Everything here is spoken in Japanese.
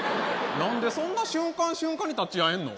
何でそんな瞬間瞬間に立ち会えんの？